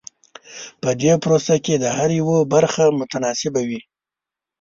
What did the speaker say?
په دې پروسه کې د هر یوه برخه متناسبه وي.